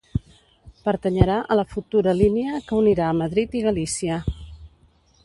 Pertanyerà a la futura línia que unirà Madrid i Galícia.